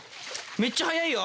めっちゃ速いよ。